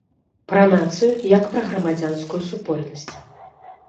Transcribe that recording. Пра нацыю, як пра грамадзянскую супольнасць.